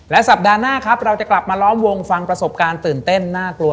สัปดาห์หน้าครับเราจะกลับมาล้อมวงฟังประสบการณ์ตื่นเต้นน่ากลัว